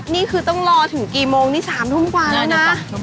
นี่คือต้องรอถึงกี่โมงนี่๓ทุ่มกว่าแล้วนะ